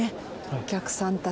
お客さんたちが。